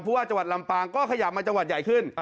เพราะว่าจังหวัดลำปางก็ขยับมาจังหวัดใหญ่ขึ้น